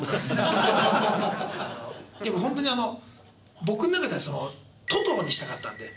でも本当に僕の中ではそのトトロにしたかったので。